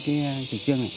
được phân cấp phân quyền